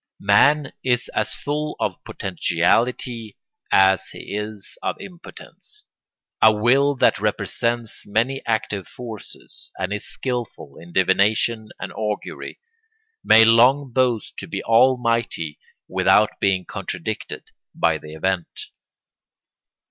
Man is as full of potentiality as he is of impotence. A will that represents many active forces, and is skilful in divination and augury, may long boast to be almighty without being contradicted by the event.